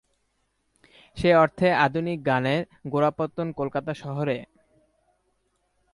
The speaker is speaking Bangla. সে অর্থে আধুনিক গানের গোড়াপত্তন কলকাতা শহরে।